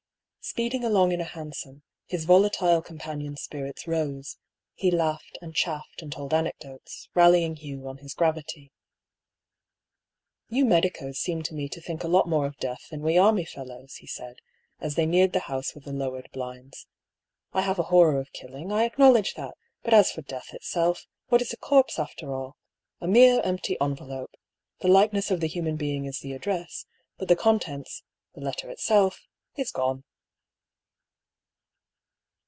Speeding along in a hansom, his volatile companion's spirits rose ; he laughed and chaffed and told anecdotes, rallying Hugh on his gravity. " You medicos seem to me to think a lot more of death than we army fellows," he said, as they neared the house with the lowered blinds. " I have a horror of killing : I acknowledge that. But as for death itself, A MORAL DUEL. Y3 what is a corpse, after all ? A mere empty envelope. The likeness of the human being is the address ; but the contents — the letter itself — is gone."